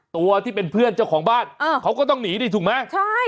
ตัวที่เป็นเพื่อนเจ้าของบ้านเขาก็ต้องหนีดิถูกไหมใช่